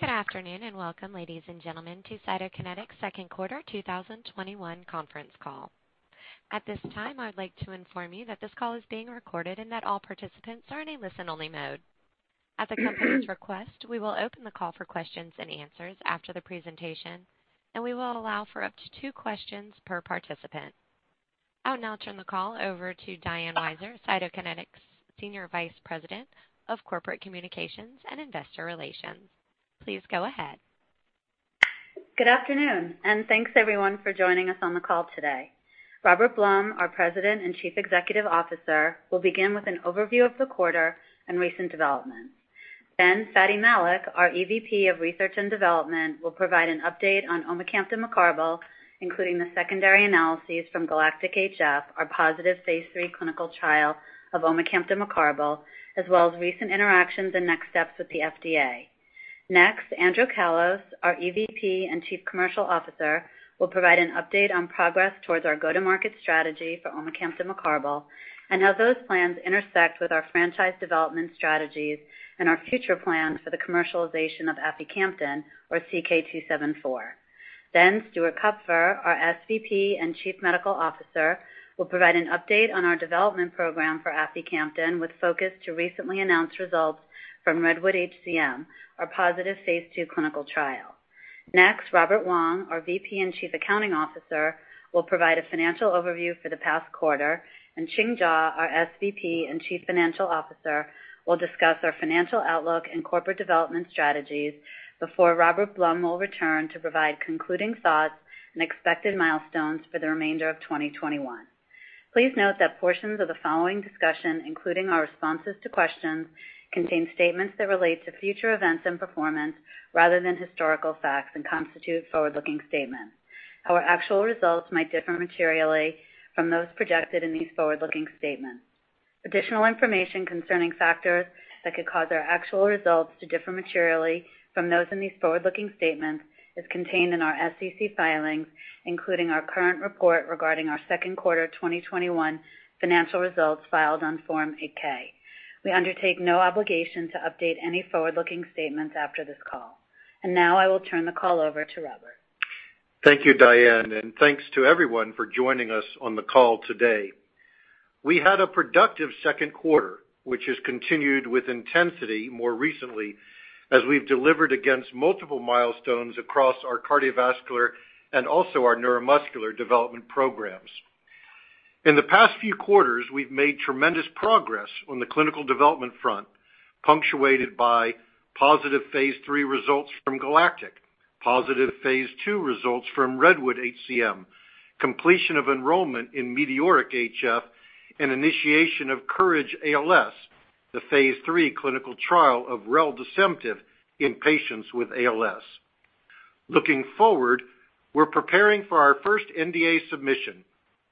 Good afternoon, welcome, ladies and gentlemen, to Cytokinetics' second quarter 2021 conference call. At this time, I would like to inform you that this call is being recorded and that all participants are in a listen-only mode. At the company's request, we will open the call for questions and answers after the presentation. We will allow for up to two questions per participant. I will now turn the call over to Diane Weiser, Cytokinetics' Senior Vice President of Corporate Communications and Investor Relations. Please go ahead. Good afternoon, thanks, everyone, for joining us on the call today. Robert Blum, our President and Chief Executive Officer, will begin with an overview of the quarter and recent developments. Fady Malik, our EVP of Research and Development, will provide an update on omecamtiv mecarbil, including the secondary analyses from GALACTIC-HF, our positive phase III clinical trial of omecamtiv mecarbil, as well as recent interactions and next steps with the FDA. Andrew Callos, our EVP and Chief Commercial Officer, will provide an update on progress towards our go-to-market strategy for omecamtiv mecarbil and how those plans intersect with our franchise development strategies and our future plans for the commercialization of aficamten or CK-274. Stuart Kupfer, our SVP and Chief Medical Officer, will provide an update on our development program for aficamten with focus to recently announced results from REDWOOD-HCM, our positive phase II clinical trial. Robert Wong, our VP and Chief Accounting Officer, will provide a financial overview for the past quarter, and Ching Jaw, our SVP and Chief Financial Officer, will discuss our financial outlook and corporate development strategies before Robert Blum will return to provide concluding thoughts and expected milestones for the remainder of 2021. Please note that portions of the following discussion, including our responses to questions, contain statements that relate to future events and performance rather than historical facts and constitute forward-looking statements. Our actual results might differ materially from those projected in these forward-looking statements. Additional information concerning factors that could cause our actual results to differ materially from those in these forward-looking statements is contained in our SEC filings, including our current report regarding our second quarter 2021 financial results filed on Form 8-K. We undertake no obligation to update any forward-looking statements after this call. Now I will turn the call over to Robert. Thank you, Diane, and thanks to everyone for joining us on the call today. We had a productive second quarter, which has continued with intensity more recently as we've delivered against multiple milestones across our cardiovascular and also our neuromuscular development programs. In the past few quarters, we've made tremendous progress on the clinical development front, punctuated by positive phase III results from GALACTIC-HF, positive phase II results from REDWOOD-HCM, completion of enrollment in METEORIC-HF, and initiation of COURAGE-ALS, the phase III clinical trial of reldesemtiv in patients with ALS. Looking forward, we're preparing for our first NDA submission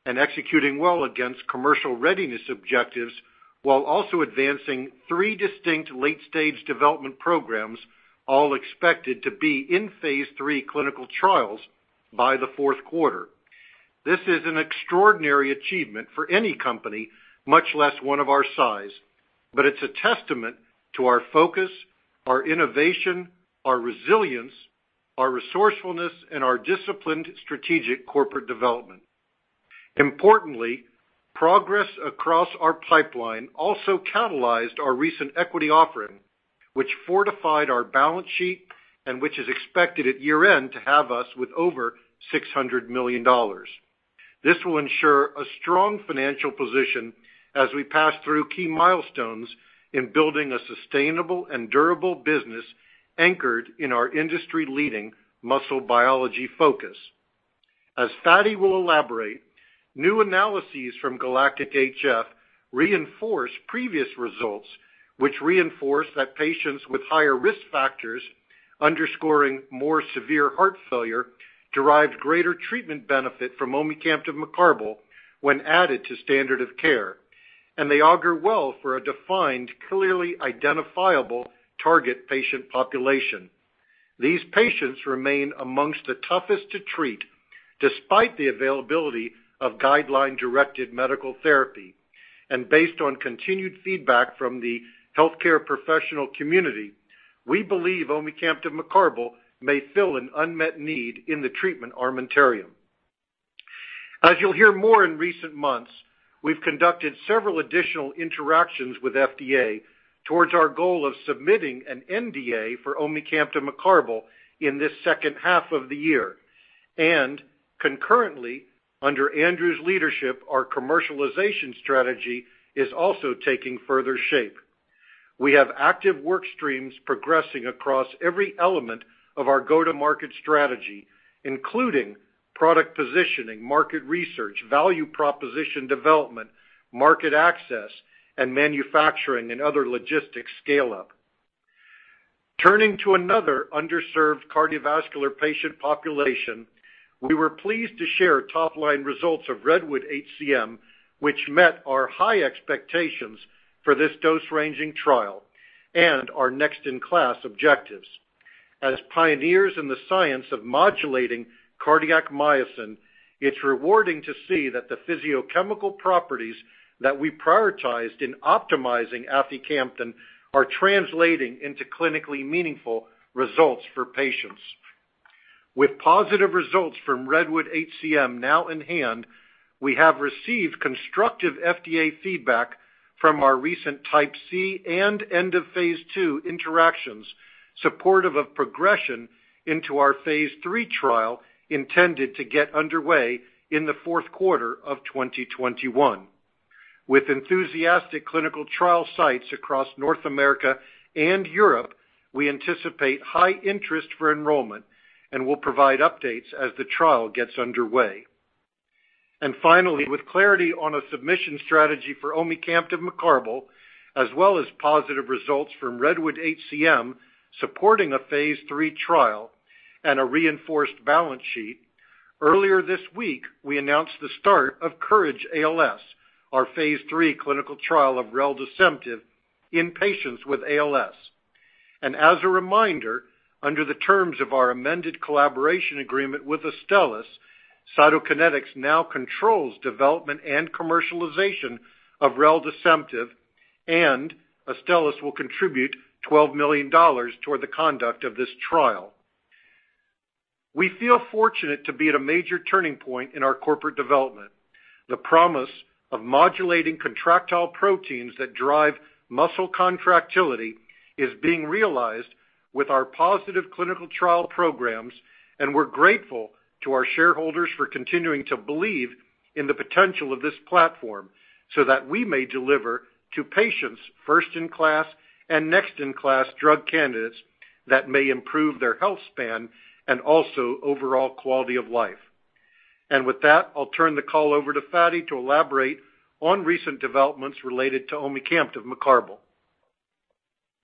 and executing well against commercial readiness objectives while also advancing three distinct late-stage development programs, all expected to be in phase III clinical trials by the fourth quarter. This is an extraordinary achievement for any company, much less one of our size, but it's a testament to our focus, our innovation, our resilience, our resourcefulness, and our disciplined strategic corporate development. Importantly, progress across our pipeline also catalyzed our recent equity offering, which fortified our balance sheet and which is expected at year-end to have us with over $600 million. This will ensure a strong financial position as we pass through key milestones in building a sustainable and durable business anchored in our industry-leading muscle biology focus. As Fady will elaborate, new analyses from GALACTIC-HF reinforce previous results, which reinforce that patients with higher risk factors underscoring more severe heart failure derived greater treatment benefit from omecamtiv mecarbil when added to standard of care, and they augur well for a defined, clearly identifiable target patient population. These patients remain amongst the toughest to treat despite the availability of guideline-directed medical therapy. Based on continued feedback from the healthcare professional community, we believe omecamtiv mecarbil may fill an unmet need in the treatment armamentarium. As you'll hear more in recent months, we've conducted several additional interactions with FDA towards our goal of submitting an NDA for omecamtiv mecarbil in this second half of the year. Concurrently, under Andrew's leadership, our commercialization strategy is also taking further shape. We have active work streams progressing across every element of our go-to-market strategy, including product positioning, market research, value proposition development, market access, and manufacturing and other logistics scale-up. Turning to another underserved cardiovascular patient population, we were pleased to share top-line results of REDWOOD-HCM, which met our high expectations for this dose-ranging trial and our next in class objectives. As pioneers in the science of modulating cardiac myosin, it's rewarding to see that the physicochemical properties that we prioritized in optimizing aficamten are translating into clinically meaningful results for patients. With positive results from REDWOOD-HCM now in hand, we have received constructive FDA feedback from our recent Type C and end of phase II interactions supportive of progression into our phase III trial, intended to get underway in the fourth quarter of 2021. With enthusiastic clinical trial sites across North America and Europe, we anticipate high interest for enrollment and will provide updates as the trial gets underway. Finally, with clarity on a submission strategy for omecamtiv mecarbil, as well as positive results from REDWOOD-HCM supporting a phase III trial and a reinforced balance sheet, earlier this week, we announced the start of COURAGE-ALS, our phase III clinical trial of reldesemtiv in patients with ALS. As a reminder, under the terms of our amended collaboration agreement with Astellas, Cytokinetics now controls development and commercialization of reldesemtiv, and Astellas will contribute $12 million toward the conduct of this trial. We feel fortunate to be at a major turning point in our corporate development. The promise of modulating contractile proteins that drive muscle contractility is being realized with our positive clinical trial programs, and we're grateful to our shareholders for continuing to believe in the potential of this platform, so that we may deliver to patients first-in-class and next-in-class drug candidates that may improve their health span and also overall quality of life. With that, I'll turn the call over to Fady to elaborate on recent developments related to omecamtiv mecarbil.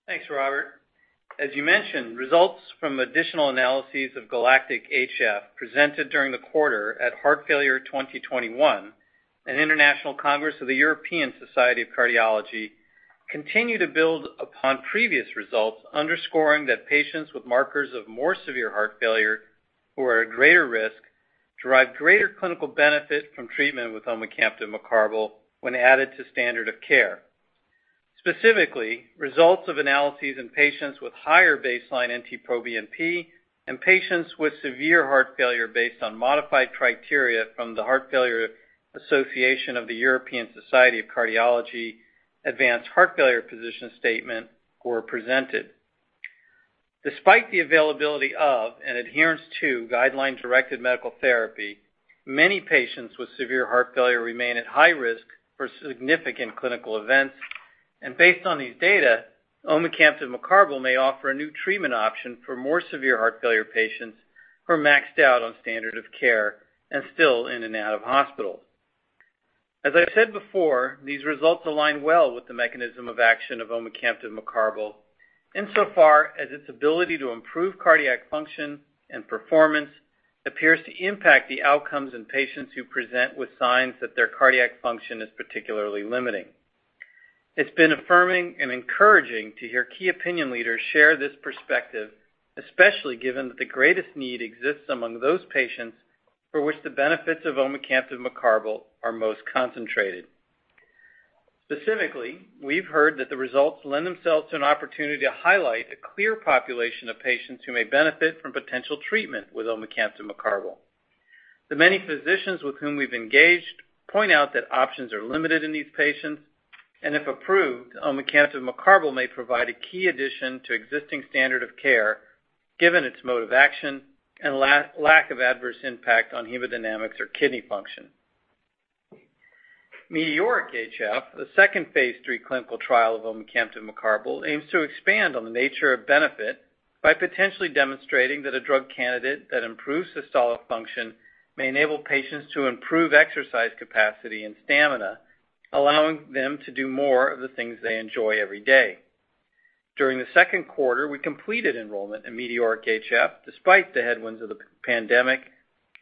Thanks, Robert. As you mentioned, results from additional analyses of GALACTIC-HF presented during the quarter at Heart Failure 2021 and International Congress of the European Society of Cardiology, continue to build upon previous results, underscoring that patients with markers of more severe heart failure, who are at greater risk, derive greater clinical benefit from treatment with omecamtiv mecarbil when added to standard of care. Specifically, results of analyses in patients with higher baseline NT-proBNP and patients with severe heart failure based on modified criteria from the Heart Failure Association of the European Society of Cardiology advanced heart failure position statement were presented. Despite the availability of and adherence to guideline-directed medical therapy, many patients with severe heart failure remain at high risk for significant clinical events. Based on these data, omecamtiv mecarbil may offer a new treatment option for more severe heart failure patients who are maxed out on standard of care and still in and out of hospital. As I've said before, these results align well with the mechanism of action of omecamtiv mecarbil, insofar as its ability to improve cardiac function and performance appears to impact the outcomes in patients who present with signs that their cardiac function is particularly limiting. It's been affirming and encouraging to hear key opinion leaders share this perspective, especially given that the greatest need exists among those patients for which the benefits of omecamtiv mecarbil are most concentrated. Specifically, we've heard that the results lend themselves to an opportunity to highlight a clear population of patients who may benefit from potential treatment with omecamtiv mecarbil. The many physicians with whom we've engaged point out that options are limited in these patients, and if approved, omecamtiv mecarbil may provide a key addition to existing standard of care given its mode of action and lack of adverse impact on hemodynamics or kidney function. METEORIC-HF, the second phase III clinical trial of omecamtiv mecarbil, aims to expand on the nature of benefit by potentially demonstrating that a drug candidate that improves systolic function may enable patients to improve exercise capacity and stamina, allowing them to do more of the things they enjoy every day. During the second quarter, we completed enrollment in METEORIC-HF despite the headwinds of the pandemic,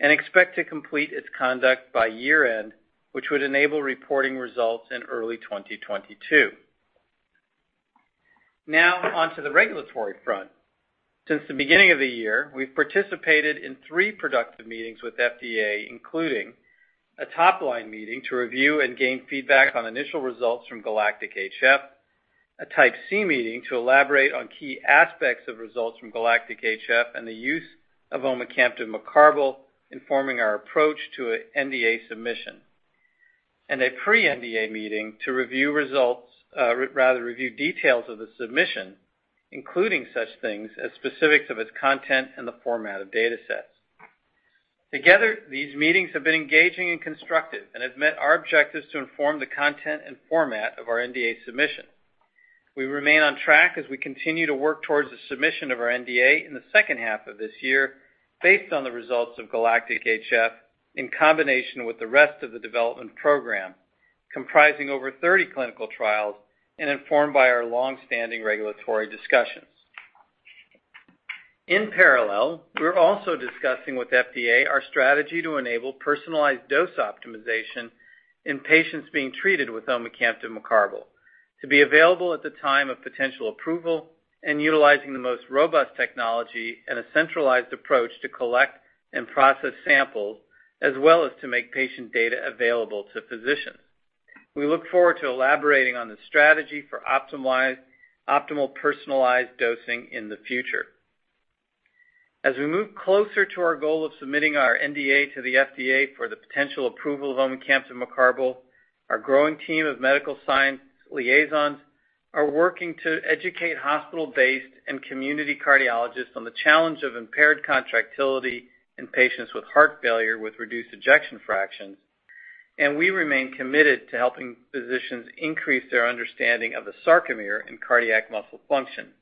and expect to complete its conduct by year-end, which would enable reporting results in early 2022. Now, onto the regulatory front. Since the beginning of the year, we've participated in three productive meetings with FDA, including a top-line meeting to review and gain feedback on initial results from GALACTIC-HF, a Type C meeting to elaborate on key aspects of results from GALACTIC-HF and the use of omecamtiv mecarbil informing our approach to an NDA submission, and a pre-NDA meeting to review details of the submission, including such things as specifics of its content and the format of datasets. Together, these meetings have been engaging and constructive and have met our objectives to inform the content and format of our NDA submission. We remain on track as we continue to work towards the submission of our NDA in the second half of this year based on the results of GALACTIC-HF in combination with the rest of the development program, comprising over 30 clinical trials and informed by our longstanding regulatory discussions. In parallel, we're also discussing with FDA our strategy to enable personalized dose optimization in patients being treated with omecamtiv mecarbil to be available at the time of potential approval and utilizing the most robust technology and a centralized approach to collect and process samples as well as to make patient data available to physicians. We look forward to elaborating on the strategy for optimal personalized dosing in the future. As we move closer to our goal of submitting our NDA to the FDA for the potential approval of omecamtiv mecarbil, our growing team of medical science liaisons are working to educate hospital-based and community cardiologists on the challenge of impaired contractility in patients with heart failure with reduced ejection fraction, and we remain committed to helping physicians increase their understanding of the sarcomere in cardiac muscle function.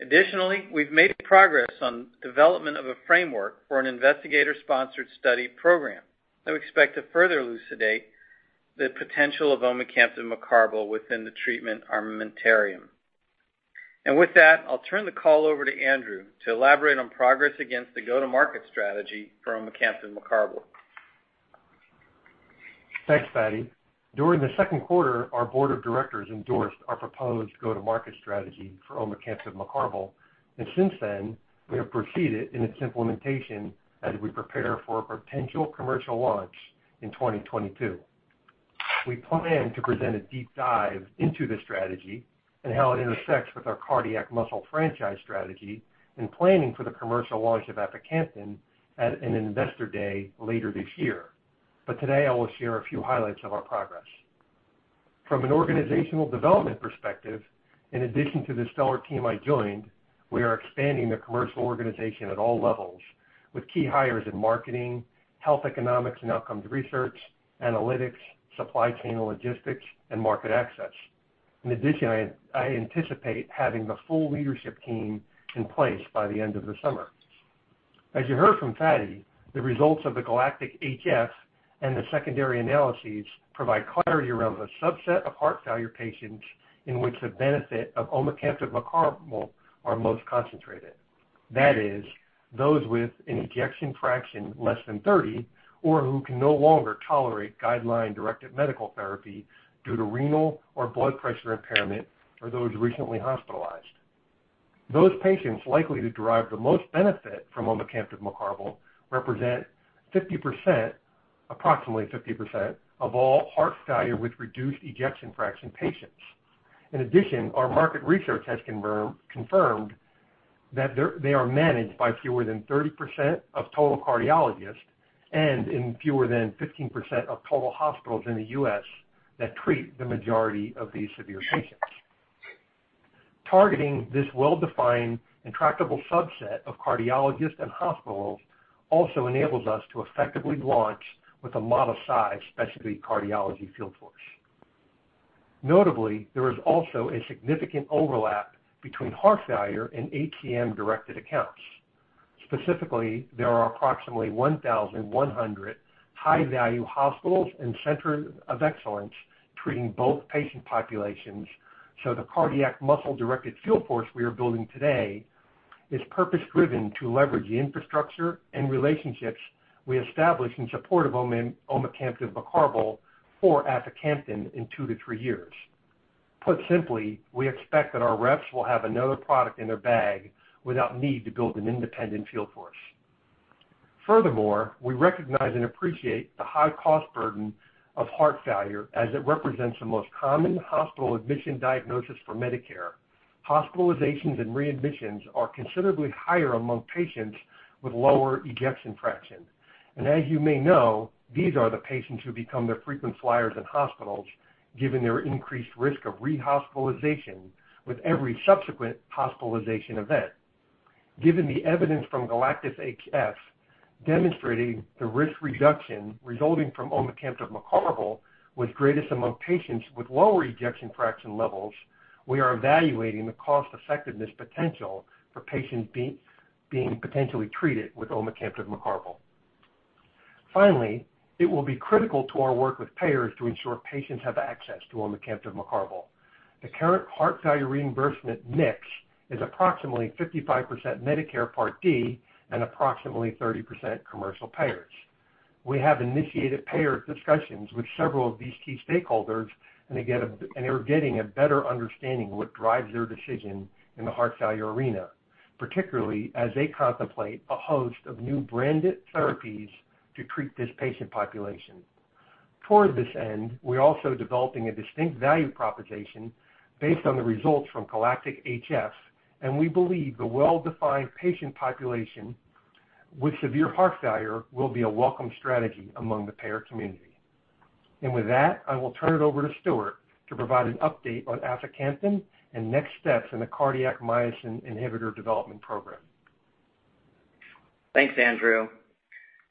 Additionally, we've made progress on development of a framework for an investigator-sponsored study program that we expect to further elucidate the potential of omecamtiv mecarbil within the treatment armamentarium. With that, I'll turn the call over to Andrew to elaborate on progress against the go-to-market strategy for omecamtiv mecarbil. Thanks, Fady. During the second quarter, our board of directors endorsed our proposed go-to-market strategy for omecamtiv mecarbil. Since then, we have proceeded in its implementation as we prepare for a potential commercial launch in 2022. We plan to present a deep dive into the strategy and how it intersects with our cardiac muscle franchise strategy in planning for the commercial launch of aficamten at an investor day later this year. Today, I will share a few highlights of our progress. From an organizational development perspective, in addition to the stellar team I joined, we are expanding the commercial organization at all levels with key hires in marketing, health economics and outcomes research, analytics, supply chain logistics, and market access. In addition, I anticipate having the full leadership team in place by the end of the summer. As you heard from Fady, the results of the GALACTIC-HF and the secondary analyses provide clarity around the subset of heart failure patients in which the benefit of omecamtiv mecarbil are most concentrated. That is, those with an ejection fraction less than 30%, or who can no longer tolerate guideline-directed medical therapy due to renal or blood pressure impairment, or those recently hospitalized. Those patients likely to derive the most benefit from omecamtiv mecarbil represent approximately 50% of all heart failure with reduced ejection fraction patients. In addition, our market research has confirmed that they are managed by fewer than 30% of total cardiologists and in fewer than 15% of total hospitals in the U.S. that treat the majority of these severe patients. Targeting this well-defined and tractable subset of cardiologists and hospitals also enables us to effectively launch with a modest size, specialty cardiology field force. Notably, there is also a significant overlap between heart failure and ATTR-directed accounts. Specifically, there are approximately 1,100 high-value hospitals and centers of excellence treating both patient populations, so the cardiac muscle-directed field force we are building today is purpose-driven to leverage the infrastructure and relationships we establish in support of omecamtiv mecarbil for aficamten in two to three years. Put simply, we expect that our reps will have another product in their bag without need to build an independent field force. We recognize and appreciate the high cost burden of heart failure as it represents the most common hospital admission diagnosis for Medicare. Hospitalizations and readmissions are considerably higher among patients with lower ejection fraction. As you may know, these are the patients who become the frequent flyers in hospitals, given their increased risk of rehospitalization with every subsequent hospitalization event. Given the evidence from GALACTIC-HF demonstrating the risk reduction resulting from omecamtiv mecarbil was greatest among patients with lower ejection fraction levels, we are evaluating the cost-effectiveness potential for patients being potentially treated with omecamtiv mecarbil. It will be critical to our work with payers to ensure patients have access to omecamtiv mecarbil. The current heart value reimbursement mix is approximately 55% Medicare Part D and approximately 30% commercial payers. We have initiated payer discussions with several of these key stakeholders, they're getting a better understanding of what drives their decision in the heart failure arena, particularly as they contemplate a host of new branded therapies to treat this patient population. Toward this end, we're also developing a distinct value proposition based on the results from GALACTIC-HF, we believe the well-defined patient population with severe heart failure will be a welcome strategy among the payer community. With that, I will turn it over to Stuart to provide an update on aficamten and next steps in the cardiac myosin inhibitor development program. Thanks, Andrew.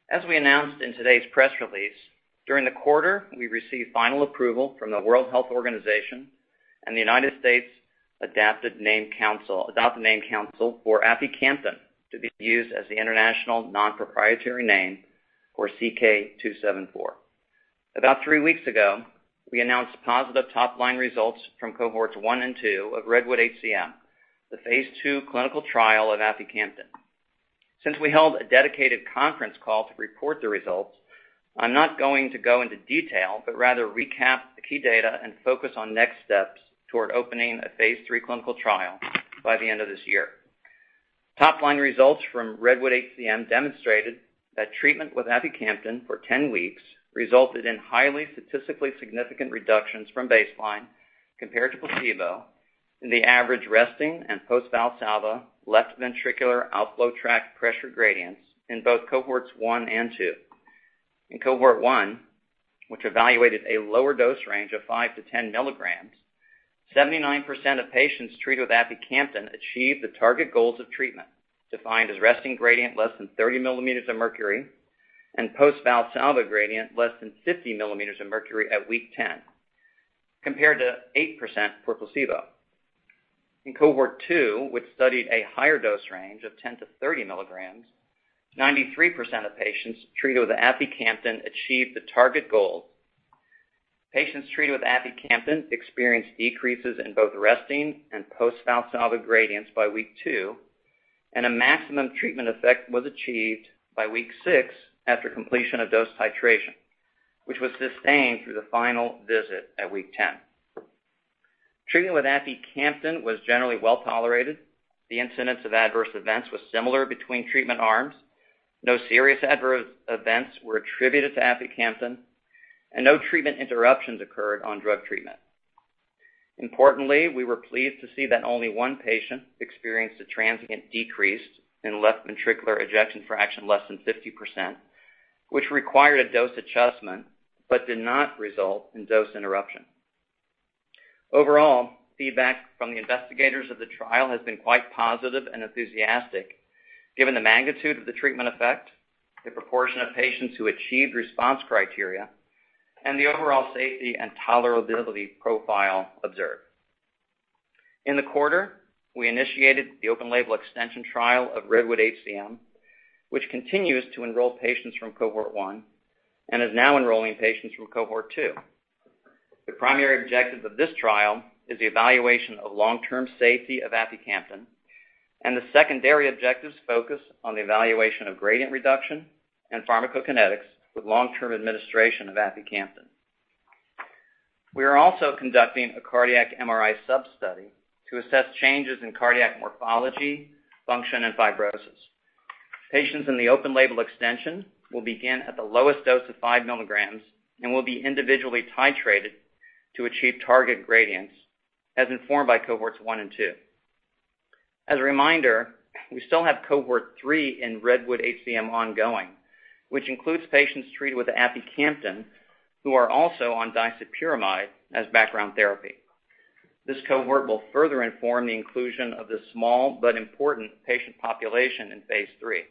As we announced in today's press release, during the quarter, we received final approval from the World Health Organization and the United States Adopted Name Council for aficamten to be used as the international non-proprietary name for CK-274. About 3 weeks ago, we announced positive top-line results from cohorts one and two of REDWOOD-HCM, the phase II clinical trial of aficamten. Since we held a dedicated conference call to report the results, I'm not going to go into detail, but rather recap the key data and focus on next steps toward opening a phase III clinical trial by the end of this year. Top line results from REDWOOD-HCM demonstrated that treatment with aficamten for 10 weeks resulted in highly statistically significant reductions from baseline compared to placebo in the average resting and post-Valsalva left ventricular outflow tract pressure gradients in both cohorts one and two. In cohort one, which evaluated a lower dose range of 5-10 mg, 79% of patients treated with aficamten achieved the target goals of treatment, defined as resting gradient less than 30 mmHg, and post-Valsalva gradient less than 50 mmHg at week 10, compared to 8% for placebo. In cohort two, which studied a higher dose range of 10-30 mg, 93% of patients treated with aficamten achieved the target goal. Patients treated with aficamten experienced decreases in both resting and post-Valsalva gradients by week two, and a maximum treatment effect was achieved by week six after completion of dose titration, which was sustained through the final visit at week 10. Treatment with aficamten was generally well-tolerated. The incidence of adverse events was similar between treatment arms. No serious adverse events were attributed to aficamten, and no treatment interruptions occurred on drug treatment. Importantly, we were pleased to see that only one patient experienced a transient decrease in left ventricular ejection fraction less than 50%, which required a dose adjustment but did not result in dose interruption. Overall, feedback from the investigators of the trial has been quite positive and enthusiastic, given the magnitude of the treatment effect, the proportion of patients who achieved response criteria, and the overall safety and tolerability profile observed. In the quarter, we initiated the open-label extension trial of REDWOOD-HCM, which continues to enroll patients from cohort 1 and is now enrolling patients from cohort two. The primary objective of this trial is the evaluation of long-term safety of aficamten, and the secondary objectives focus on the evaluation of gradient reduction and pharmacokinetics with long-term administration of aficamten. We are also conducting a cardiac MRI sub-study to assess changes in cardiac morphology, function, and fibrosis. Patients in the open-label extension will begin at the lowest dose of 5 mg and will be individually titrated to achieve target gradients, as informed by cohorts one and two. As a reminder, we still have cohort 3 in REDWOOD-HCM ongoing, which includes patients treated with aficamten who are also on disopyramide as background therapy. This cohort will further inform the inclusion of this small but important patient population in phase III.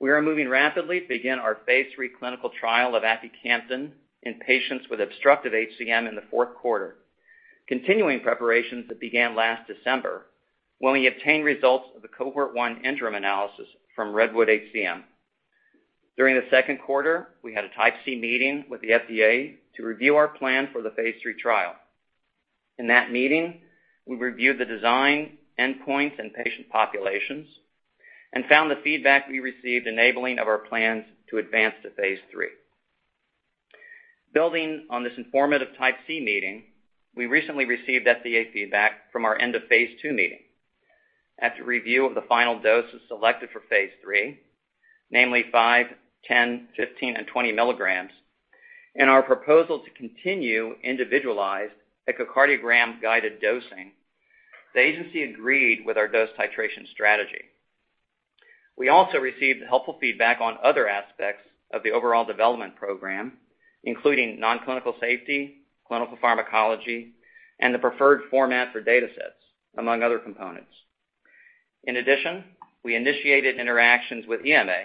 We are moving rapidly to begin our phase III clinical trial of aficamten in patients with obstructive HCM in the fourth quarter, continuing preparations that began last December when we obtained results of the cohort one interim analysis from REDWOOD-HCM. During the second quarter, we had a type C meeting with the FDA to review our plan for the phase III trial. In that meeting, we reviewed the design, endpoints, and patient populations and found the feedback we received enabling of our plans to advance to phase III. Building on this informative type C meeting, we recently received FDA feedback from our end of phase II meeting. After review of the final doses selected for phase III, namely 5, 10, 15, and 20 mg, and our proposal to continue individualized echocardiogram-guided dosing, the agency agreed with our dose titration strategy. We also received helpful feedback on other aspects of the overall development program, including non-clinical safety, clinical pharmacology, and the preferred format for data sets, among other components. We initiated interactions with EMA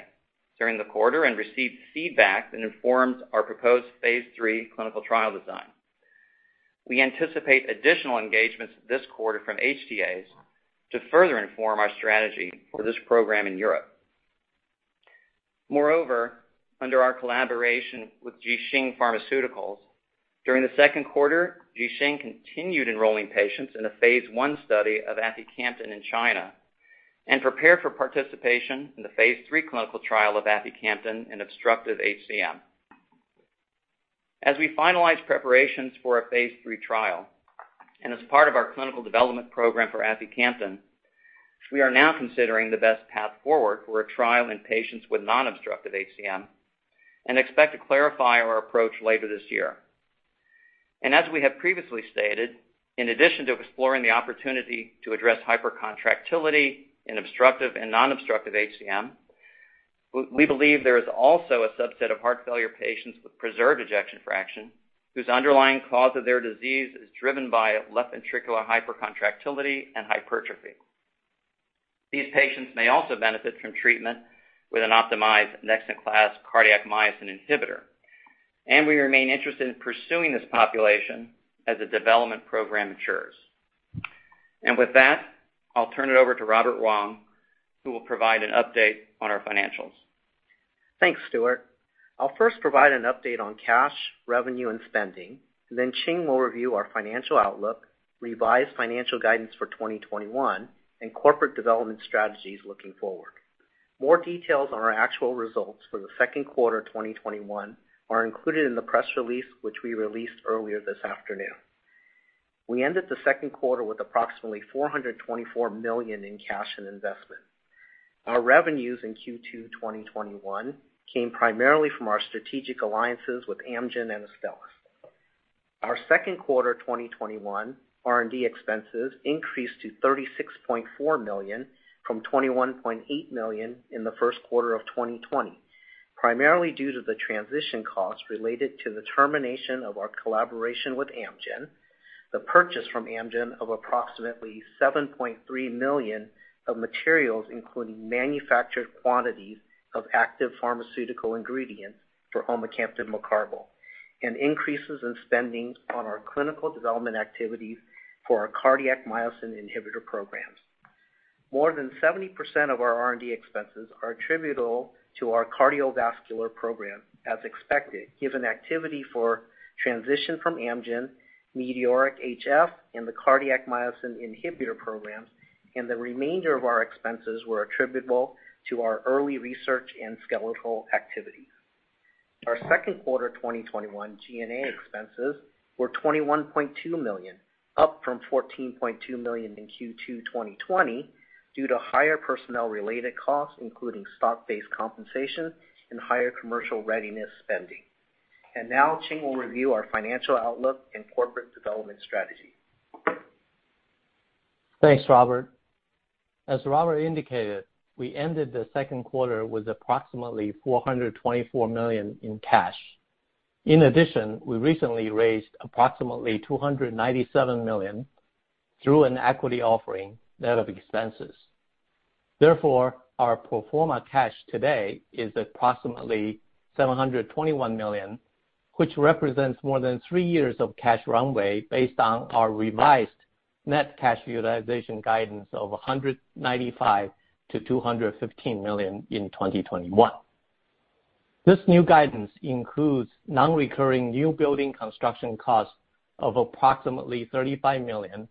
during the quarter and received feedback that informed our proposed phase III clinical trial design. We anticipate additional engagements this quarter from HTAs to further inform our strategy for this program in Europe. Moreover, under our collaboration with Ji Xing Pharmaceuticals, during the second quarter, Ji Xing continued enrolling patients in a phase I study of aficamten in China and prepared for participation in the phase III clinical trial of aficamten in obstructive HCM. As we finalize preparations for a phase III trial and as part of our clinical development program for aficamten, we are now considering the best path forward for a trial in patients with non-obstructive HCM and expect to clarify our approach later this year. As we have previously stated, in addition to exploring the opportunity to address hypercontractility in obstructive and non-obstructive HCM, we believe there is also a subset of heart failure patients with preserved ejection fraction whose underlying cause of their disease is driven by left ventricular hypercontractility and hypertrophy. These patients may also benefit from treatment with an optimized next-in-class cardiac myosin inhibitor. We remain interested in pursuing this population as the development program matures. With that, I'll turn it over to Robert Wong, who will provide an update on our financials. Thanks, Stuart. I'll first provide an update on cash, revenue, and spending, and then Ching will review our financial outlook, revised financial guidance for 2021, and corporate development strategies looking forward. More details on our actual results for the second quarter 2021 are included in the press release, which we released earlier this afternoon. We ended the second quarter with approximately $424 million in cash and investment. Our revenues in Q2 2021 came primarily from our strategic alliances with Amgen and Astellas. Our second quarter 2021 R&D expenses increased to $36.4 million from $21.8 million in the first quarter of 2020, primarily due to the transition costs related to the termination of our collaboration with Amgen, the purchase from Amgen of approximately $7.3 million of materials, including manufactured quantities of active pharmaceutical ingredients for omecamtiv mecarbil, and increases in spending on our clinical development activities for our cardiac myosin inhibitor programs. More than 70% of our R&D expenses are attributable to our cardiovascular program as expected, given activity for transition from Amgen, METEORIC-HF, and the cardiac myosin inhibitor programs. The remainder of our expenses were attributable to our early research and skeletal activities. Our second quarter 2021 G&A expenses were $21.2 million, up from $14.2 million in Q2 2020 due to higher personnel-related costs, including stock-based compensation and higher commercial readiness spending. Now Ching will review our financial outlook and corporate development strategy. Thanks, Robert. As Robert indicated, we ended the second quarter with approximately $424 million in cash. We recently raised approximately $297 million through an equity offering net of expenses. Our pro forma cash today is approximately $721 million, which represents more than three years of cash runway based on our revised net cash utilization guidance of $195 million-$215 million in 2021. This new guidance includes non-recurring new building construction costs of approximately $35 million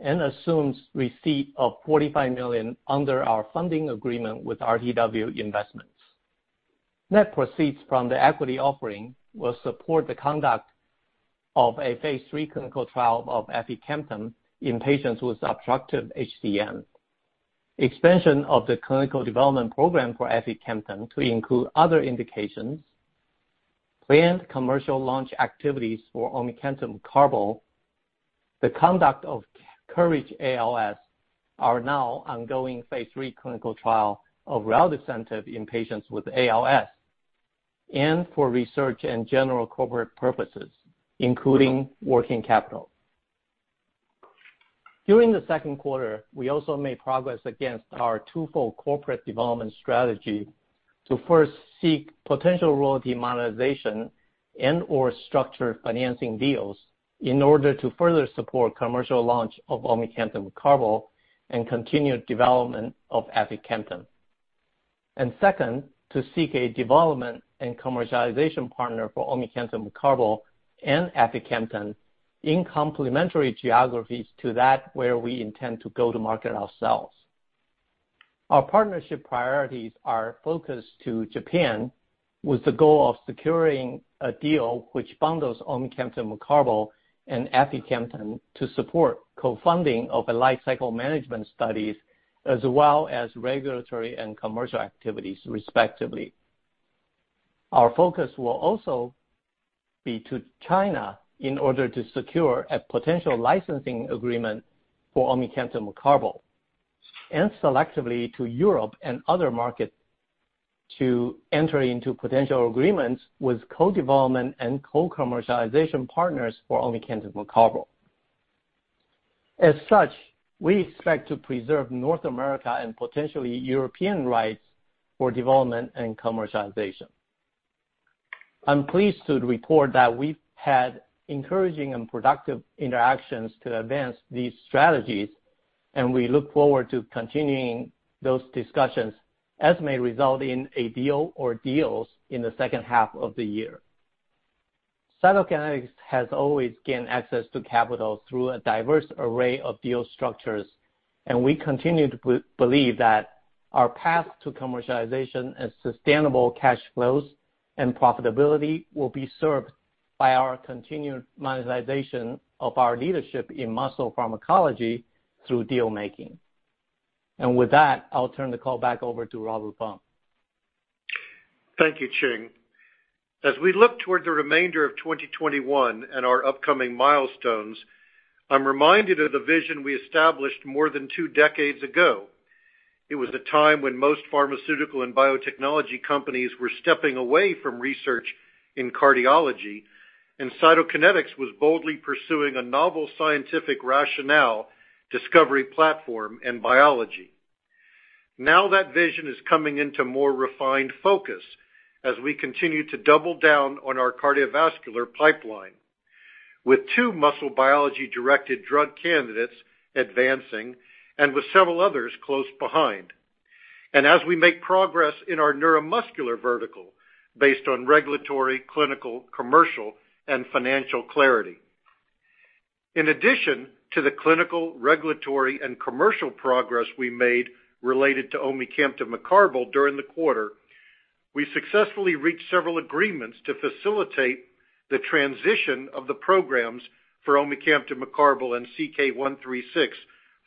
and assumes receipt of $45 million under our funding agreement with RTW Investments. Net proceeds from the equity offering will support the conduct of a phase III clinical trial of aficamten in patients with obstructive HCM, expansion of the clinical development program for aficamten to include other indications, planned commercial launch activities for omecamtiv mecarbil, the conduct of COURAGE-ALS, our now ongoing phase III clinical trial of reldesemtiv in patients with ALS, and for research and general corporate purposes, including working capital. During the second quarter, we also made progress against our twofold corporate development strategy to first seek potential royalty monetization and/or structured financing deals in order to further support commercial launch of omecamtiv mecarbil and continued development of aficamten. Second, to seek a development and commercialization partner for omecamtiv mecarbil and aficamten in complementary geographies to that where we intend to go to market ourselves. Our partnership priorities are focused to Japan with the goal of securing a deal which bundles omecamtiv mecarbil and aficamten to support co-funding of a lifecycle management studies as well as regulatory and commercial activities, respectively. Our focus will also be to China in order to secure a potential licensing agreement for omecamtiv mecarbil, and selectively to Europe and other markets to enter into potential agreements with co-development and co-commercialization partners for omecamtiv mecarbil. As such, we expect to preserve North America and potentially European rights for development and commercialization. I'm pleased to report that we've had encouraging and productive interactions to advance these strategies, and we look forward to continuing those discussions as may result in a deal or deals in the second half of the year. Cytokinetics has always gained access to capital through a diverse array of deal structures, and we continue to believe that our path to commercialization and sustainable cash flows and profitability will be served by our continued monetization of our leadership in muscle pharmacology through deal-making. With that, I'll turn the call back over to Robert Blum. Thank you, Ching. As we look toward the remainder of 2021 and our upcoming milestones, I'm reminded of the vision we established more than two decades ago. It was a time when most pharmaceutical and biotechnology companies were stepping away from research in cardiology, and Cytokinetics was boldly pursuing a novel scientific rationale, discovery platform, and biology. Now that vision is coming into more refined focus as we continue to double down on our cardiovascular pipeline with two muscle biology-directed drug candidates advancing and with several others close behind. As we make progress in our neuromuscular vertical based on regulatory, clinical, commercial, and financial clarity. In addition to the clinical, regulatory, and commercial progress we made related to omecamtiv mecarbil during the quarter, we successfully reached several agreements to facilitate the transition of the programs for omecamtiv mecarbil and CK-136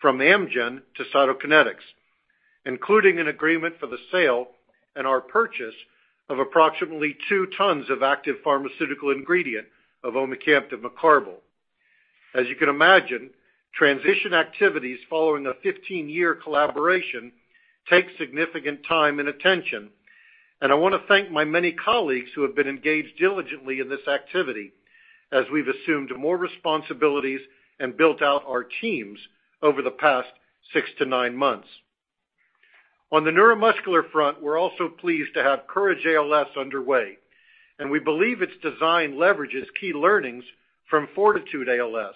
from Amgen to Cytokinetics, including an agreement for the sale and our purchase of approximately two tons of active pharmaceutical ingredient of omecamtiv mecarbil. As you can imagine, transition activities following a 15-year collaboration take significant time and attention. I want to thank my many colleagues who have been engaged diligently in this activity as we've assumed more responsibilities and built out our teams over the past six to nine months. On the neuromuscular front, we're also pleased to have COURAGE-ALS underway, and we believe its design leverages key learnings from FORTITUDE-ALS,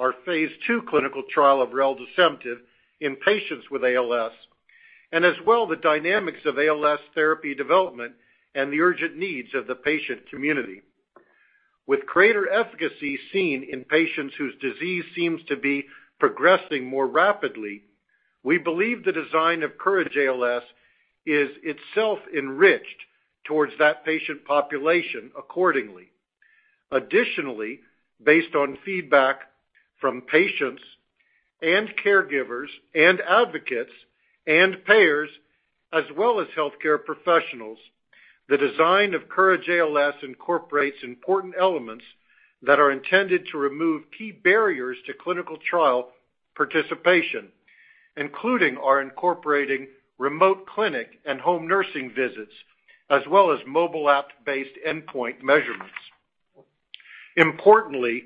our phase II clinical trial of reldesemtiv in patients with ALS, and as well the dynamics of ALS therapy development and the urgent needs of the patient community. With greater efficacy seen in patients whose disease seems to be progressing more rapidly, we believe the design of COURAGE-ALS is itself enriched towards that patient population accordingly. Additionally, based on feedback from patients and caregivers, and advocates, and payers, as well as healthcare professionals, the design of COURAGE-ALS incorporates important elements that are intended to remove key barriers to clinical trial participation, including our incorporating remote clinic and home nursing visits, as well as mobile app-based endpoint measurements. Importantly,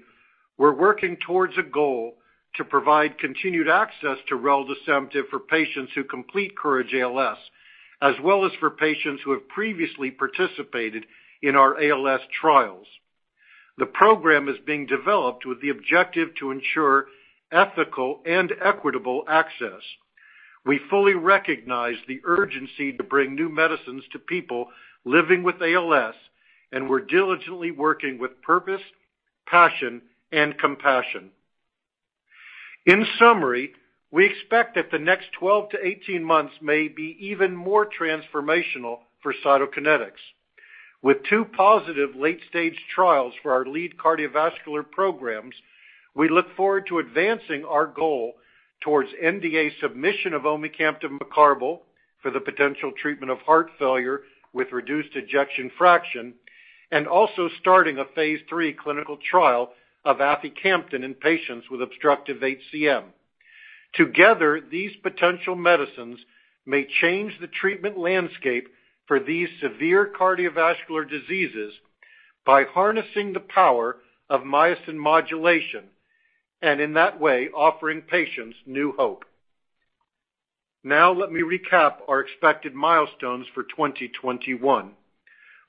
we're working towards a goal to provide continued access to reldesemtiv for patients who complete COURAGE-ALS, as well as for patients who have previously participated in our ALS trials. The program is being developed with the objective to ensure ethical and equitable access. We fully recognize the urgency to bring new medicines to people living with ALS, and we're diligently working with purpose, passion, and compassion. In summary, we expect that the next 12 to 18 months may be even more transformational for Cytokinetics. With two positive late-stage trials for our lead cardiovascular programs, we look forward to advancing our goal towards NDA submission of omecamtiv mecarbil for the potential treatment of heart failure with reduced ejection fraction, and also starting a phase III clinical trial of aficamten in patients with obstructive HCM. Together, these potential medicines may change the treatment landscape for these severe cardiovascular diseases by harnessing the power of myosin modulation, and in that way, offering patients new hope. Let me recap our expected milestones for 2021.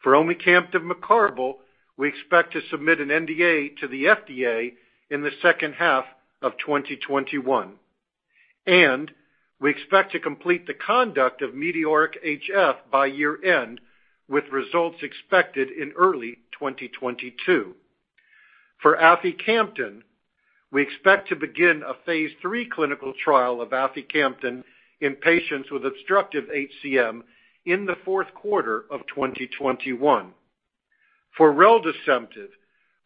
For omecamtiv mecarbil, we expect to submit an NDA to the FDA in the second half of 2021, and we expect to complete the conduct of METEORIC-HF by year-end, with results expected in early 2022. For aficamten, we expect to begin a phase III clinical trial of aficamten in patients with obstructive HCM in the fourth quarter of 2021. For reldesemtiv,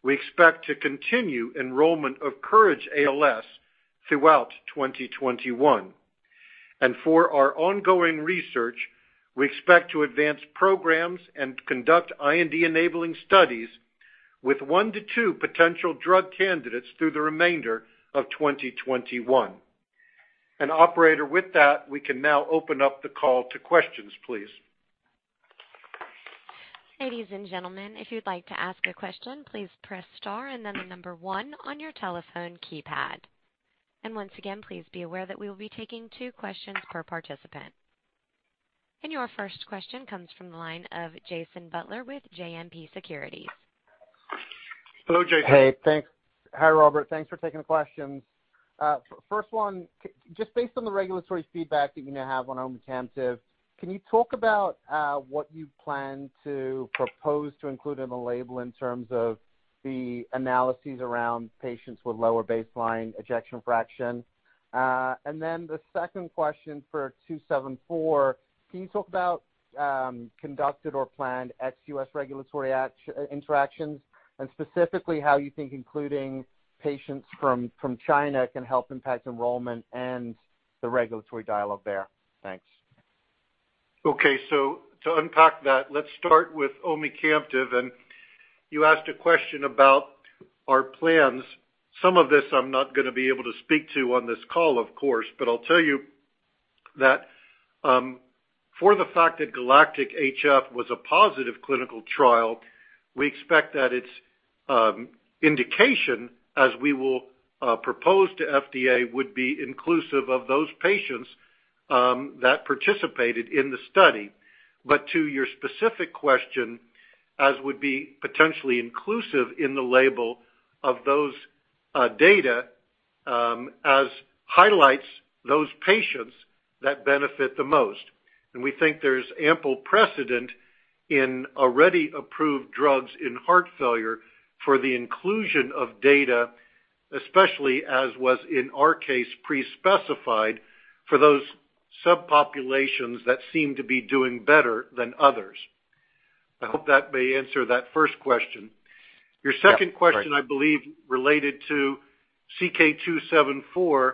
we expect to continue enrollment of COURAGE-ALS throughout 2021. For our ongoing research, we expect to advance programs and conduct IND-enabling studies with 1 to 2 potential drug candidates through the remainder of 2021. Operator, with that, we can now open up the call to questions, please. Ladies and gentlemen, if you'd like to ask a question, please press star one on your telephone keypad. Once again, please be aware that we will be taking two questions per participant. Your first question comes from the line of Jason Butler with JMP Securities. Hello, Jason. Hey, thanks. Hi, Robert. Thanks for taking the questions. First one, just based on the regulatory feedback that you now have on omecamtiv, can you talk about what you plan to propose to include in the label in terms of the analyses around patients with lower baseline ejection fraction? The second question for 274, can you talk about conducted or planned ex-U.S. regulatory interactions, and specifically how you think including patients from China can help impact enrollment and the regulatory dialogue there? Thanks. Okay. To unpack that, let's start with omecamtiv, and you asked a question about our plans. Some of this I'm not going to be able to speak to on this call, of course, but I'll tell you that for the fact that GALACTIC-HF was a positive clinical trial, we expect that its indication, as we will propose to FDA, would be inclusive of those patients that participated in the study. To your specific question, as would be potentially inclusive in the label of those data as highlights those patients that benefit the most. We think there's ample precedent in already approved drugs in heart failure for the inclusion of data, especially as was in our case, pre-specified for those subpopulations that seem to be doing better than others. I hope that may answer that first question. Yeah. Right. Your second question, I believe, related to CK-274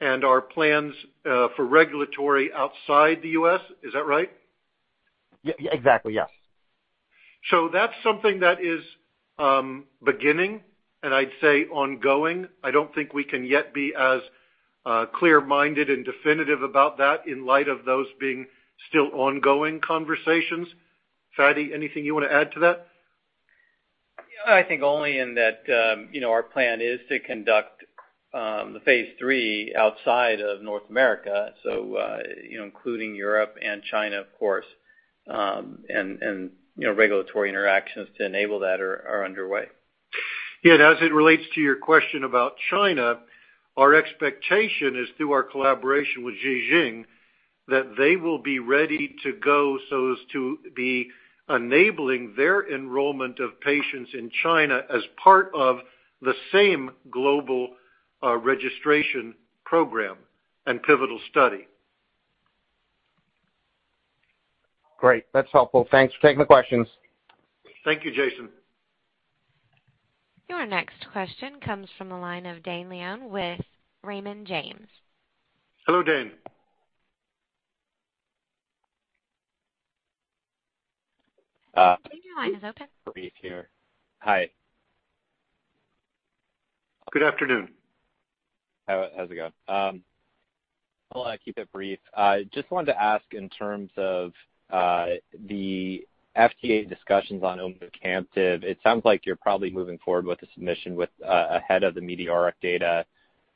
and our plans for regulatory outside the U.S. Is that right? Yeah. Exactly, yes. That's something that is beginning and I'd say ongoing. I don't think we can yet be as clear-minded and definitive about that in light of those being still ongoing conversations. Fady, anything you want to add to that? I think only in that our plan is to conduct the phase III outside of North America, so including Europe and China, of course. Regulatory interactions to enable that are underway. Yeah. As it relates to your question about China, our expectation is through our collaboration with Ji Xing, that they will be ready to go so as to be enabling their enrollment of patients in China as part of the same global registration program and pivotal study. Great. That's helpful. Thanks for taking the questions. Thank you, Jason. Your next question comes from the line of Dane Leone with Raymond James. Hello, Dane. Dane, your line is open. Brief here. Hi. Good afternoon. How's it going? I'll keep it brief. Just wanted to ask in terms of the FDA discussions on omecamtiv, it sounds like you're probably moving forward with the submission ahead of the METEORIC data.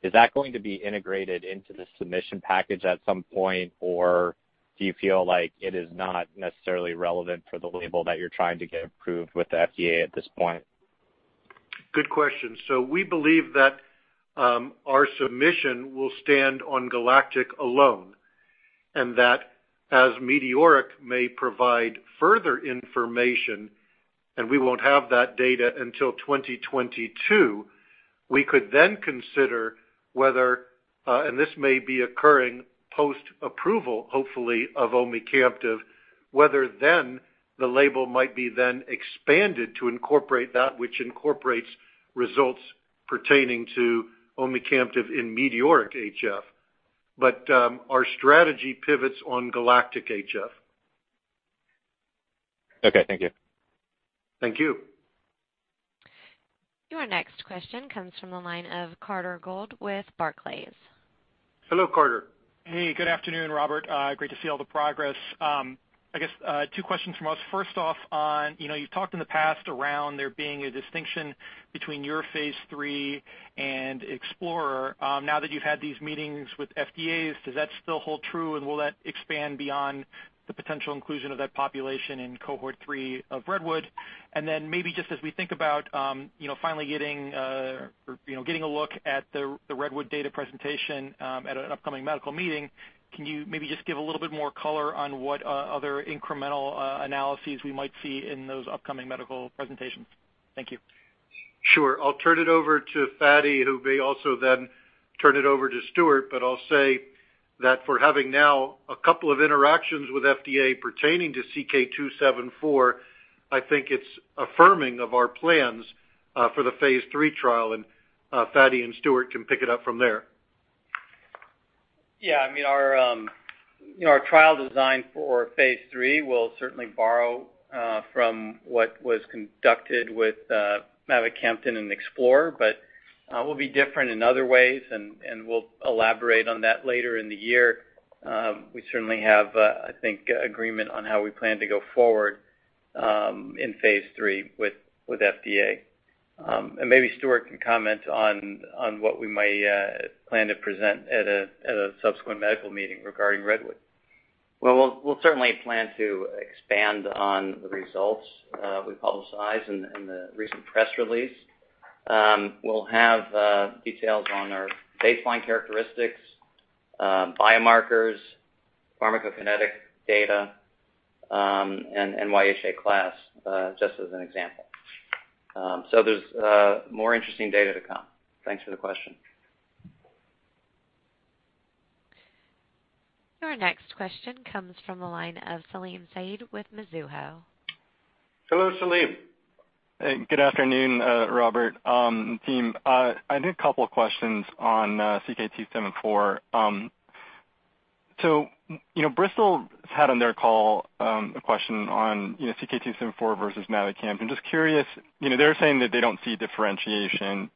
Is that going to be integrated into the submission package at some point, or do you feel like it is not necessarily relevant for the label that you're trying to get approved with the FDA at this point? Good question. We believe that our submission will stand on GALACTIC-HF alone, that as METEORIC-HF may provide further information and we won't have that data until 2022, we could then consider whether, and this may be occurring post-approval, hopefully, of omecamtiv, whether then the label might be then expanded to incorporate that which incorporates results pertaining to omecamtiv in METEORIC-HF. Our strategy pivots on GALACTIC-HF. Okay. Thank you. Thank you. Your next question comes from the line of Carter Gould with Barclays. Hello, Carter. Hey, good afternoon, Robert. Great to see all the progress. I guess, two questions from us. First off on, you've talked in the past around there being a distinction between your phase III and EXPLORER-HCM. Now that you've had these meetings with FDA, does that still hold true, and will that expand beyond the potential inclusion of that population in cohort three of REDWOOD? Maybe just as we think about finally getting a look at the REDWOOD data presentation at an upcoming medical meeting, can you maybe just give a little bit more color on what other incremental analyses we might see in those upcoming medical presentations? Thank you. Sure. I'll turn it over to Fady, who may also then turn it over to Stuart, but I'll say that for having now a couple of interactions with FDA pertaining to CK-274, I think it's affirming of our plans for the phase III trial, and Fady and Stuart can pick it up from there. Yeah. Our trial design for phase III will certainly borrow from what was conducted with mavacamten in EXPLORER-HCM, but will be different in other ways, and we'll elaborate on that later in the year. We certainly have, I think, agreement on how we plan to go forward in phase III with FDA. Maybe Stuart can comment on what we might plan to present at a subsequent medical meeting regarding REDWOOD. Well, we'll certainly plan to expand on the results we publicized in the recent press release. We'll have details on our baseline characteristics, biomarkers, pharmacokinetic data, and NYHA class, just as an example. There's more interesting data to come. Thanks for the question. Your next question comes from the line of Salim Syed with Mizuho. Hello, Salim. Good afternoon, Robert, and team. I had a couple questions on CK-274. Bristol had on their call a question on CK-274 versus mavacamten. They're saying that they don't see differentiation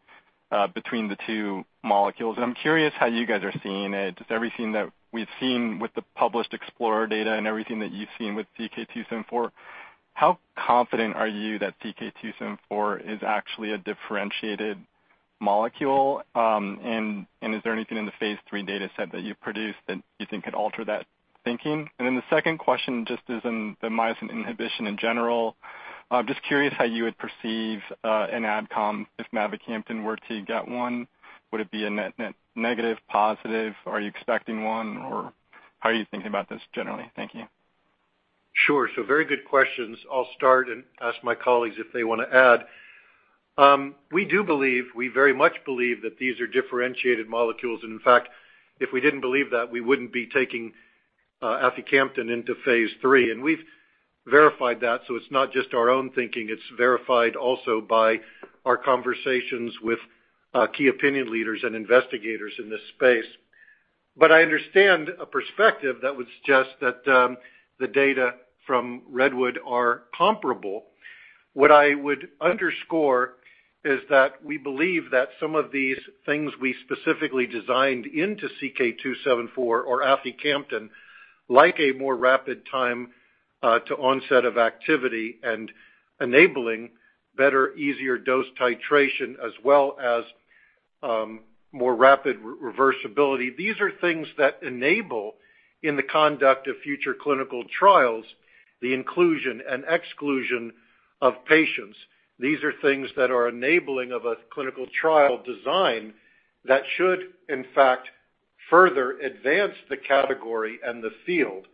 between the two molecules, I'm curious how you guys are seeing it. Just everything that we've seen with the published EXPLORER data and everything that you've seen with CK-274, how confident are you that CK-274 is actually a differentiated molecule? Is there anything in the phase III data set that you've produced that you think could alter that thinking? The second question, just as in the myosin inhibition in general, I'm just curious how you would perceive an AdCom if mavacamten were to get one. Would it be a negative, positive? Are you expecting one? How are you thinking about this generally? Thank you. Sure. Very good questions. I'll start and ask my colleagues if they want to add. We do believe, we very much believe that these are differentiated molecules. In fact, if we didn't believe that, we wouldn't be taking aficamten into phase III. We've verified that, so it's not just our own thinking, it's verified also by our conversations with key opinion leaders and investigators in this space. I understand a perspective that would suggest that the data from REDWOOD-HCM are comparable. What I would underscore is that we believe that some of these things we specifically designed into CK-274 or aficamten, like a more rapid time to onset of activity and enabling better, easier dose titration as well as more rapid reversibility. These are things that enable, in the conduct of future clinical trials, the inclusion and exclusion of patients. These are things that are enabling of a clinical trial design that should in fact further advance the category and the field.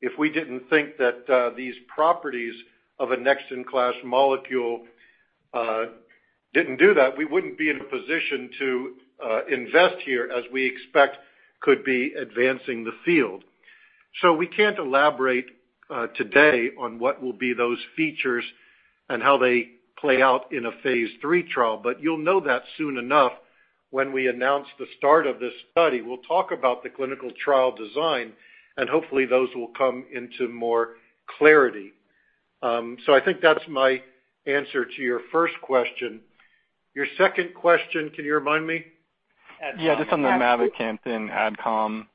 If we didn't think that these properties of a next in class molecule didn't do that, we wouldn't be in a position to invest here as we expect could be advancing the field. We can't elaborate today on what will be those features and how they play out in a phase III trial. You'll know that soon enough when we announce the start of this study. We'll talk about the clinical trial design, hopefully those will come into more clarity. I think that's my answer to your first question. Your second question, can you remind me? Yeah, just on the mavacamten AdCom-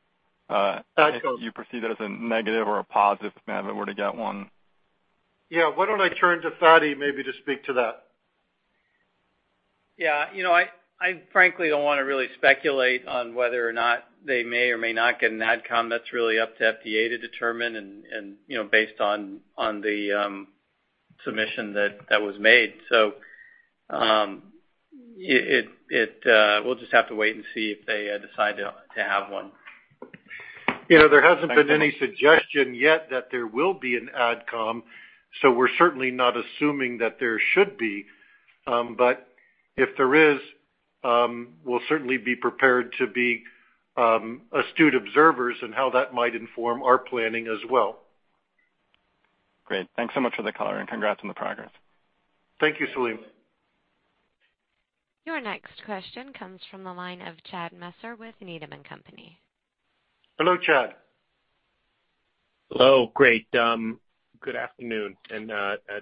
AdCom if you perceive that as a negative or a positive if mava were to get one. Yeah. Why don't I turn to Fady maybe to speak to that? Yeah. I frankly don't wanna really speculate on whether or not they may or may not get an AdCom. That's really up to FDA to determine and based on the submission that was made. We'll just have to wait and see if they decide to have one. There hasn't been any suggestion yet that there will be an AdCom, we're certainly not assuming that there should be. If there is, we'll certainly be prepared to be astute observers in how that might inform our planning as well. Great. Thanks so much for the color. Congrats on the progress. Thank you, Salim. Your next question comes from the line of Chad Messer with Needham & Company. Hello, Chad. Hello. Great. Good afternoon.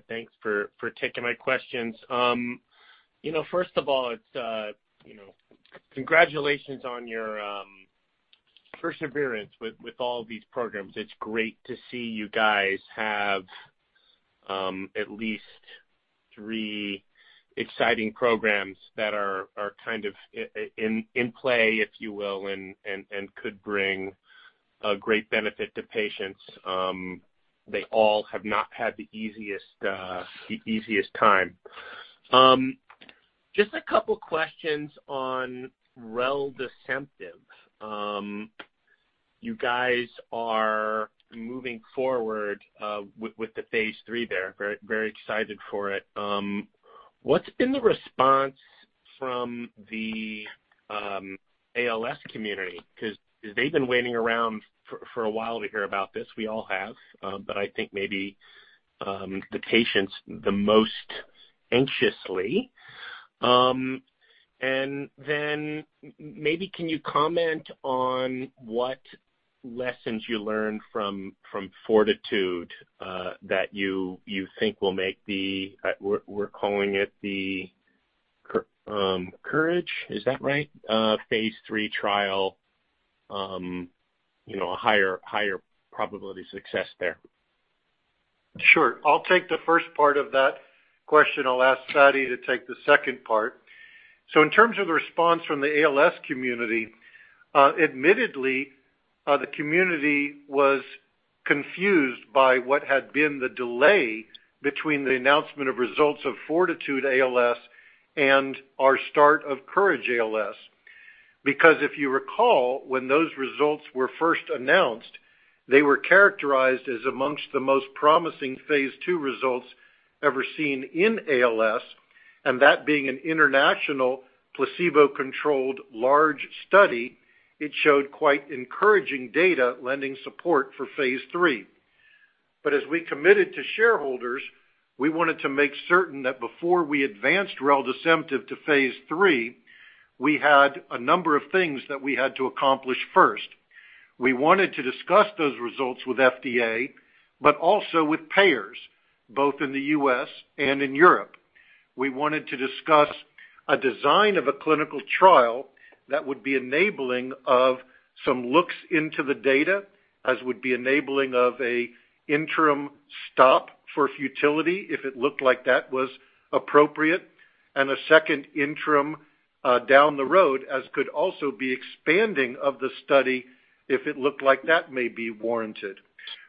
Thanks for taking my questions. First of all, congratulations on your perseverance with all these programs. It's great to see you guys have at least three exciting programs that are kind of in play, if you will, could bring a great benefit to patients. They all have not had the easiest time. Just a couple questions on reldesemtiv. You guys are moving forward with the phase III there. Very excited for it. What's been the response from the ALS community? They've been waiting around for a while to hear about this. We all have. I think maybe the patients the most anxiously. Maybe can you comment on what lessons you learned from FORTITUDE that you think will make the, we're calling it the COURAGE, is that right? Phase III trial higher probability of success there. Sure. I'll take the first part of that question. I'll ask Fady to take the second part. In terms of the response from the ALS community, admittedly, the community was confused by what had been the delay between the announcement of results of FORTITUDE-ALS and our start of COURAGE-ALS. If you recall, when those results were first announced, they were characterized as amongst the most promising phase II results ever seen in ALS, and that being an international placebo-controlled large study, it showed quite encouraging data lending support for phase III. As we committed to shareholders, we wanted to make certain that before we advanced reldesemtiv to phase III, we had a number of things that we had to accomplish first. We wanted to discuss those results with FDA, but also with payers, both in the U.S. and in Europe. We wanted to discuss a design of a clinical trial that would be enabling of some looks into the data as would be enabling of an interim stop for futility if it looked like that was appropriate. A second interim down the road as could also be expanding of the study if it looked like that may be warranted.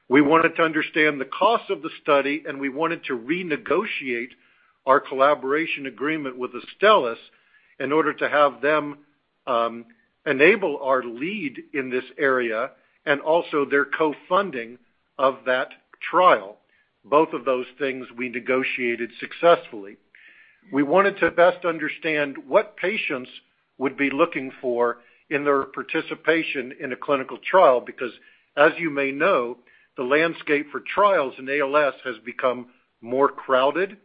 We wanted to understand the cost of the study, and we wanted to renegotiate our collaboration agreement with Astellas in order to have them enable our lead in this area and also their co-funding of that trial. Both of those things we negotiated successfully. We wanted to best understand what patients would be looking for in their participation in a clinical trial, because as you may know, the landscape for trials in ALS has become more crowded,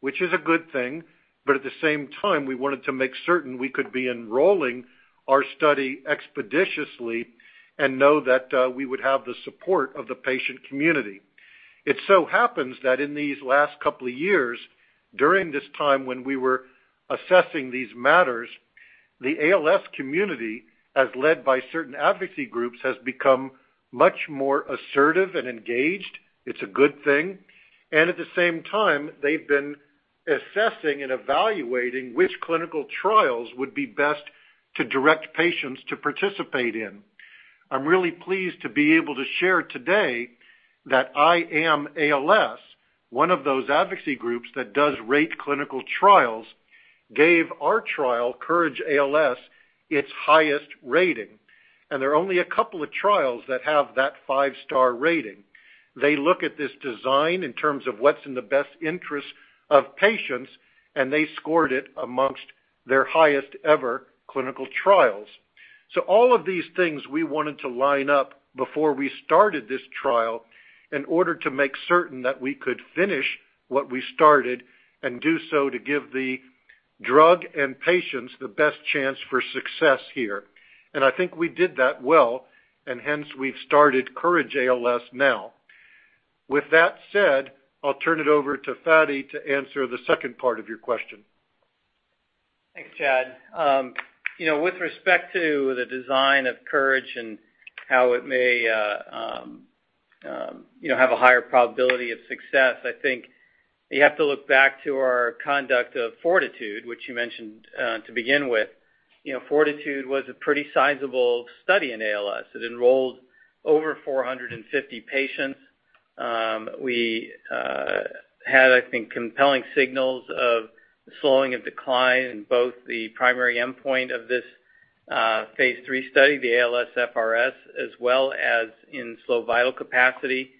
which is a good thing. At the same time, we wanted to make certain we could be enrolling our study expeditiously and know that we would have the support of the patient community. It so happens that in these last couple of years, during this time when we were assessing these matters, the ALS community, as led by certain advocacy groups, has become much more assertive and engaged. It's a good thing. At the same time, they've been assessing and evaluating which clinical trials would be best to direct patients to participate in. I'm really pleased to be able to share today that I AM ALS, one of those advocacy groups that does rate clinical trials, gave our trial, COURAGE-ALS, its highest rating. There are only a couple of trials that have that five-star rating. They look at this design in terms of what's in the best interest of patients, and they scored it amongst their highest-ever clinical trials. All of these things we wanted to line up before we started this trial in order to make certain that we could finish what we started and do so to give the drug and patients the best chance for success here. I think we did that well, hence we've started COURAGE-ALS now. With that said, I'll turn it over to Fady to answer the second part of your question. Thanks, Chad. With respect to the design of COURAGE-ALS and how it may have a higher probability of success, I think you have to look back to our conduct of FORTITUDE-ALS, which you mentioned to begin with. FORTITUDE-ALS was a pretty sizable study in ALS. It enrolled over 450 patients. We had, I think, compelling signals of slowing of decline in both the primary endpoint of this Phase III study, the ALSFRS, as well as in slow vital capacity.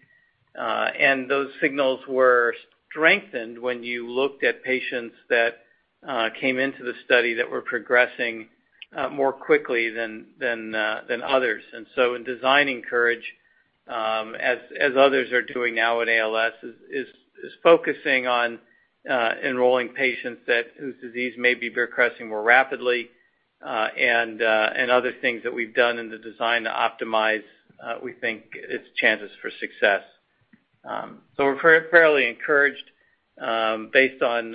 Those signals were strengthened when you looked at patients that came into the study that were progressing more quickly than others. In designing COURAGE-ALS, as others are doing now in ALS, is focusing on enrolling patients whose disease may be progressing more rapidly and other things that we've done in the design to optimize, we think, its chances for success. We're fairly encouraged based on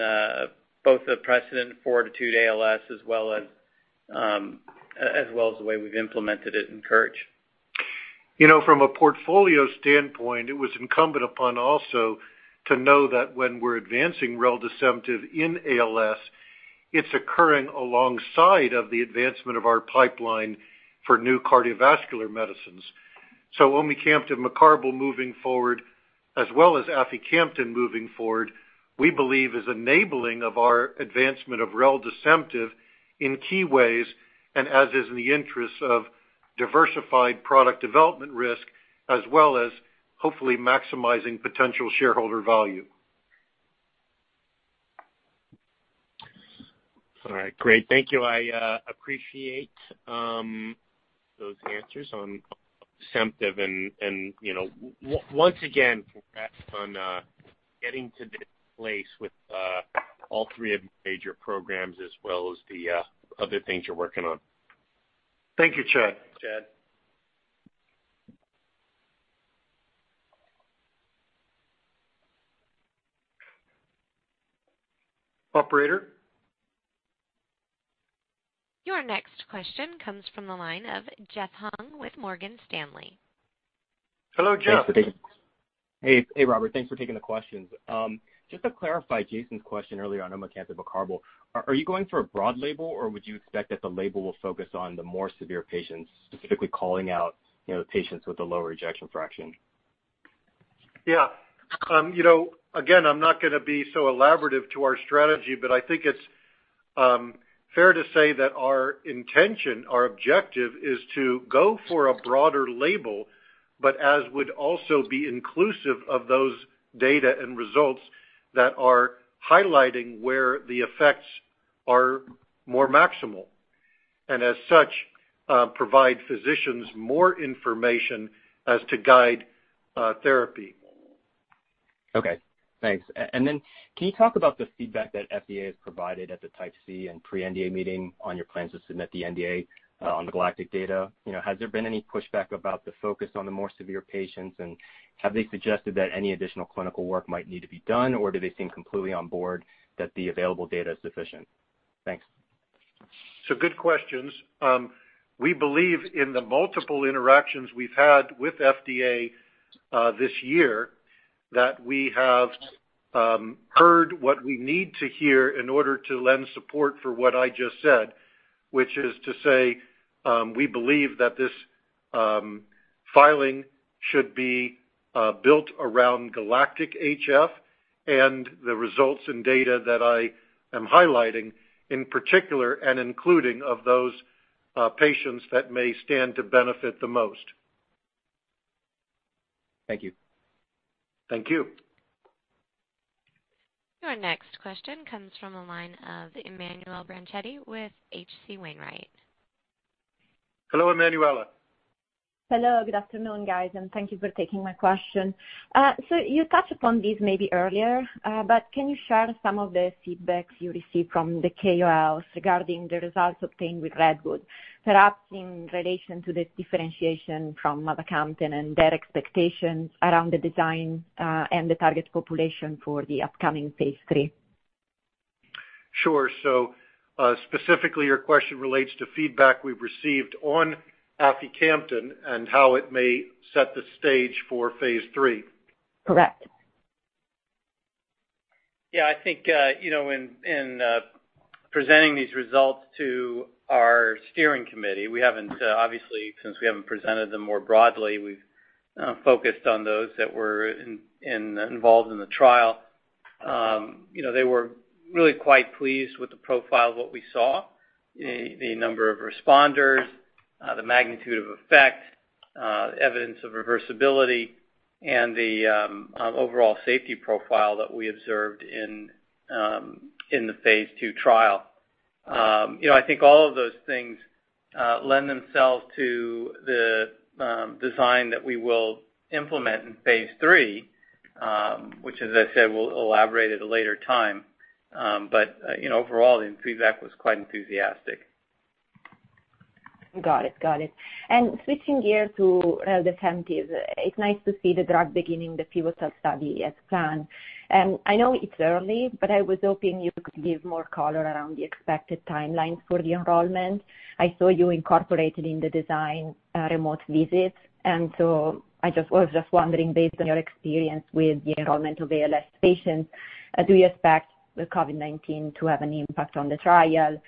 both the precedent FORTITUDE-ALS as well as the way we've implemented it in COURAGE-ALS. From a portfolio standpoint, it was incumbent upon also to know that when we're advancing reldesemtiv in ALS, it's occurring alongside of the advancement of our pipeline for new cardiovascular medicines. omecamtiv mecarbil moving forward, as well as aficamten moving forward, we believe is enabling of our advancement of reldesemtiv in key ways and as is in the interests of diversified product development risk, as well as hopefully maximizing potential shareholder value. All right. Great. Thank you. I appreciate those answers on reldesemtiv and once again, congrats on getting to this place with all three of the major programs as well as the other things you're working on. Thank you, Chad. Chad. Operator? Your next question comes from the line of Jeffrey Hung with Morgan Stanley. Hello, Jeffrey. Hey, Robert. Thanks for taking the questions. Just to clarify Jason's question earlier on omecamtiv mecarbil, are you going for a broad label, or would you expect that the label will focus on the more severe patients, specifically calling out patients with a lower ejection fraction? Yeah. Again, I'm not going to be so elaborative to our strategy, but I think it's fair to say that our intention, our objective is to go for a broader label, but as would also be inclusive of those data and results that are highlighting where the effects are more maximal, and as such, provide physicians more information as to guide therapy. Okay, thanks. Can you talk about the feedback that FDA has provided at the Type C and pre-NDA meeting on your plans to submit the NDA on the GALACTIC data? Has there been any pushback about the focus on the more severe patients, and have they suggested that any additional clinical work might need to be done, or do they seem completely on board that the available data is sufficient? Thanks. Good questions. We believe in the multiple interactions we've had with FDA this year that we have heard what we need to hear in order to lend support for what I just said, which is to say we believe that this filing should be built around GALACTIC-HF and the results and data that I am highlighting in particular and including of those patients that may stand to benefit the most. Thank you. Thank you. Your next question comes from the line of Emanuela Branchetti with H.C. Wainwright. Hello, Emanuela. Hello. Good afternoon, guys, and thank you for taking my question. You touched upon this maybe earlier, but can you share some of the feedbacks you received from the KOLs regarding the results obtained with Redwood, perhaps in relation to the differentiation from mavacamten and their expectations around the design and the target population for the upcoming phase III? Sure. Specifically your question relates to feedback we've received on aficamten and how it may set the stage for phase III. Correct. Yeah, I think in presenting these results to our steering committee, we haven't, obviously, since we haven't presented them more broadly, we've focused on those that were involved in the trial. They were really quite pleased with the profile of what we saw, the number of responders, the magnitude of effect, evidence of reversibility, and the overall safety profile that we observed in the phase II trial. I think all of those things lend themselves to the design that we will implement in phase III, which as I said, we'll elaborate at a later time. Overall the feedback was quite enthusiastic. Got it. Switching gears to REDWOOD-HCM. It's nice to see the drug beginning the pivotal study as planned. I know it's early, I was hoping you could give more color around the expected timelines for the enrollment. I saw you incorporated in the design remote visits, I was just wondering based on your experience with the enrollment of ALS patients, do you expect the COVID-19 to have any impact on the trial?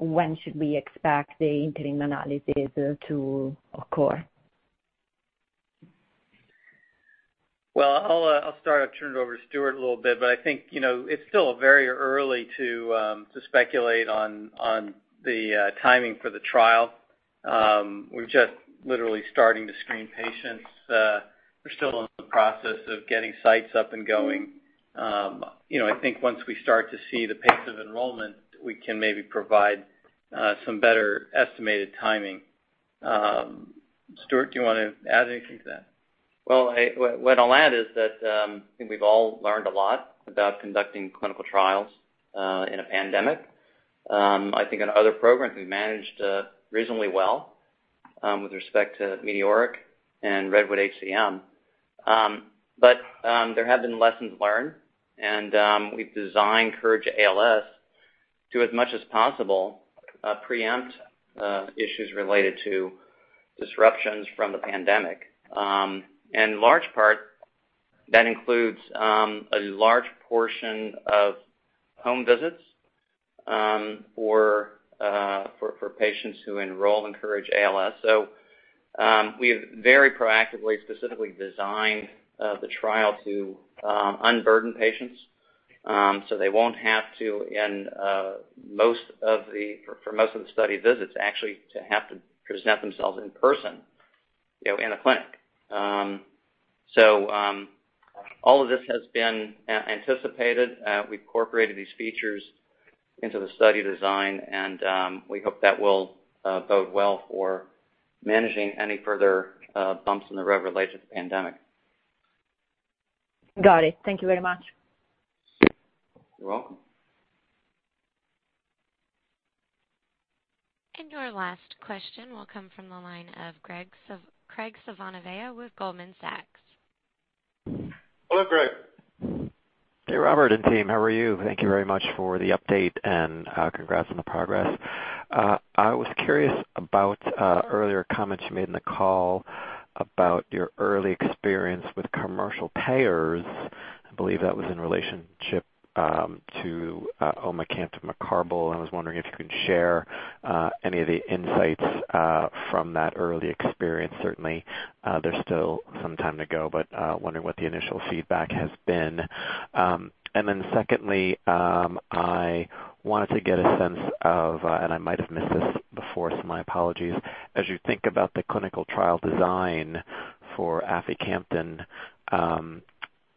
When should we expect the interim analysis to occur? Well, I'll start. I'll turn it over to Stuart in a little bit. I think it's still very early to speculate on the timing for the trial. We're just literally starting to screen patients. We're still in the process of getting sites up and going. I think once we start to see the pace of enrollment, we can maybe provide some better estimated timing. Stuart, do you want to add anything to that? Well, what I'll add is that I think we've all learned a lot about conducting clinical trials in a pandemic. I think on other programs we've managed reasonably well with respect to METEORIC-HF and REDWOOD-HCM. There have been lessons learned and we've designed COURAGE-ALS to as much as possible preempt issues related to disruptions from the pandemic. In large part, that includes a large portion of home visits for patients who enroll in COURAGE-ALS. We've very proactively, specifically designed the trial to unburden patients so they won't have to, for most of the study visits actually to have to present themselves in person in a clinic. All of this has been anticipated. We've incorporated these features into the study design and we hope that will bode well for managing any further bumps in the road related to the pandemic. Got it. Thank you very much. You're welcome. Your last question will come from the line of Graig Suvannavejh with Goldman Sachs. Hello, Graig. Hey, Robert and team. How are you? Thank you very much for the update and congrats on the progress. I was curious about earlier comments you made in the call about your early experience with commercial payers. I believe that was in relationship to omecamtiv mecarbil, and I was wondering if you can share any of the insights from that early experience. Certainly, there's still some time to go, but wondering what the initial feedback has been. Then secondly, I wanted to get a sense of, and I might have missed this before, so my apologies. As you think about the clinical trial design for aficamten,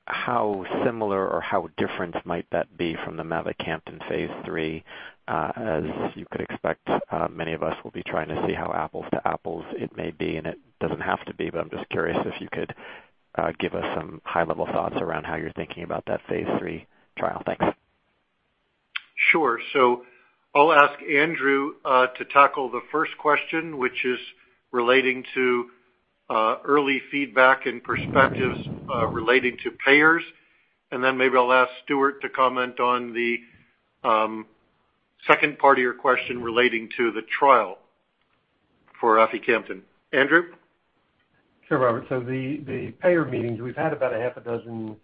how similar or how different might that be from the mavacamten phase III? As you could expect, many of us will be trying to see how apples to apples it may be, and it doesn't have to be, but I'm just curious if you could give us some high-level thoughts around how you're thinking about that phase III trial. Thanks. Sure. I'll ask Andrew to tackle the first question, which is relating to early feedback and perspectives relating to payers. Maybe I'll ask Stuart to comment on the second part of your question relating to the trial for aficamten. Andrew? Sure, Robert. The payer meetings, we've had about a half a dozen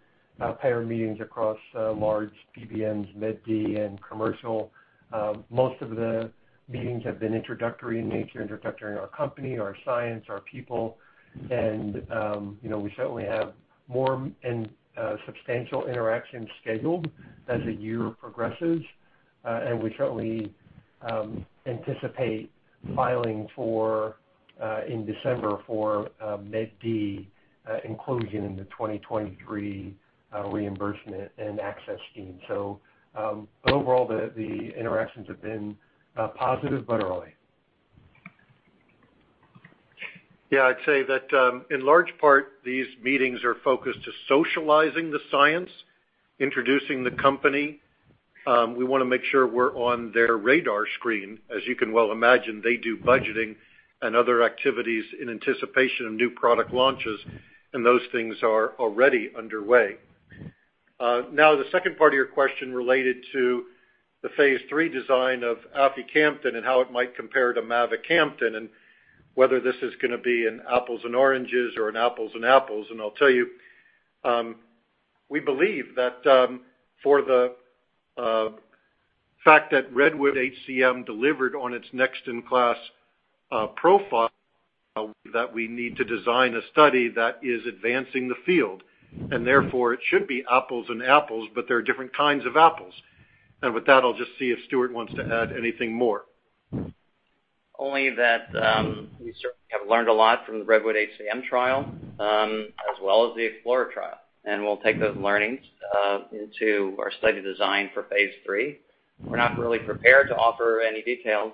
payer meetings across large PBMs, Med D, and commercial. Most of the meetings have been introductory in nature, introductory in our company, our science, our people. We certainly have more substantial interactions scheduled as the year progresses. We certainly anticipate filing in December for Med D inclusion in the 2023 reimbursement and access scheme. Overall the interactions have been positive but early. Yeah, I'd say that in large part, these meetings are focused to socializing the science, introducing the company. We want to make sure we're on their radar screen. As you can well imagine, they do budgeting and other activities in anticipation of new product launches, and those things are already underway. The second part of your question related to the phase III design of aficamten and how it might compare to mavacamten, and whether this is going to be an apples and oranges or an apples and apples. I'll tell you, we believe that for the fact that REDWOOD-HCM delivered on its next in class profile, that we need to design a study that is advancing the field, and therefore it should be apples and apples, but they're different kinds of apples. With that, I'll just see if Stuart wants to add anything more. Only that we certainly have learned a lot from the REDWOOD-HCM trial, as well as the EXPLORER-HCM trial. We'll take those learnings into our study design for phase III. We're not really prepared to offer any details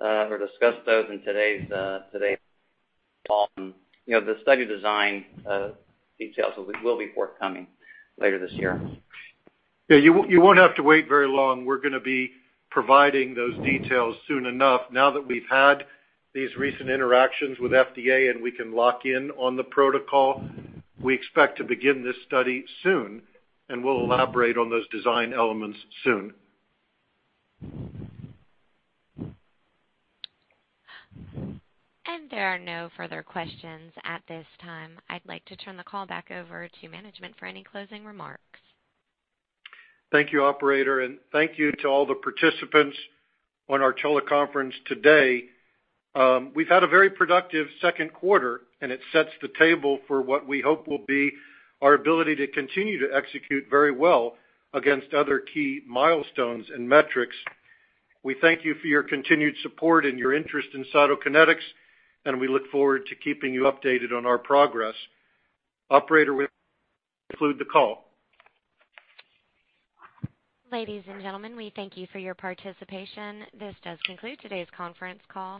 or discuss those in today's call. The study design details will be forthcoming later this year. Yeah, you won't have to wait very long. We're going to be providing those details soon enough now that we've had these recent interactions with FDA, and we can lock in on the protocol. We expect to begin this study soon, and we'll elaborate on those design elements soon. There are no further questions at this time. I'd like to turn the call back over to management for any closing remarks. Thank you, operator. Thank you to all the participants on our teleconference today. We've had a very productive second quarter. It sets the table for what we hope will be our ability to continue to execute very well against other key milestones and metrics. We thank you for your continued support and your interest in Cytokinetics. We look forward to keeping you updated on our progress. Operator, we conclude the call. Ladies and gentlemen, we thank you for your participation. This does conclude today's conference call.